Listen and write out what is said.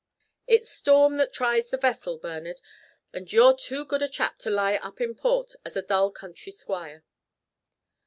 It's storm that tries the vessel, Bernard, and you're too good a chap to lie up in port as a dull country squire."